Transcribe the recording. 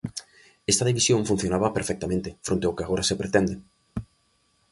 "Esta división funcionaba perfectamente", fronte ao que agora se pretende.